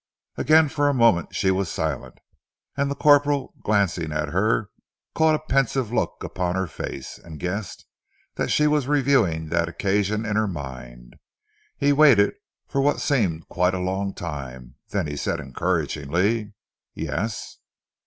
Again for a moment she was silent, and the corporal glancing at her caught a pensive look upon her face, and guessed that she was reviewing that occasion in her mind. He waited for what seemed quite a long time, then he said encouragingly, "Yes?"